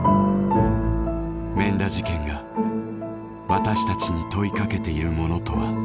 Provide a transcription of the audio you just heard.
免田事件が私たちに問いかけているものとは。